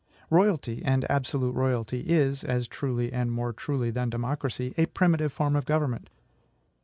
Royalty, and absolute royalty, is as truly and more truly than democracy a primitive form of government.